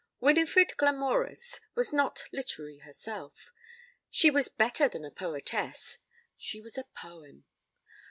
Winifred Glamorys was not literary herself. She was better than a poetess, she was a poem.